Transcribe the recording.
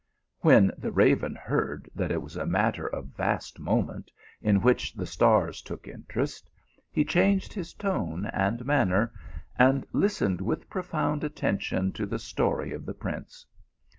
When the raven heard that it was a matter of vast moment, in which the stars took interest, he changed his tone and manner, and listened with profound at tention to the story of the prince.